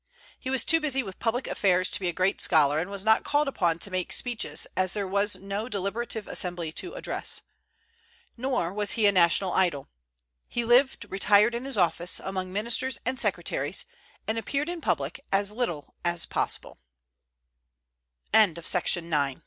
He was too busy with public affairs to be a great scholar, and was not called upon to make speeches, as there was no deliberative assembly to address. Nor was he a national idol. He lived retired in his office, among ministers and secretaries, and appeared in public as little as possible. After the final dethronement of Napoleo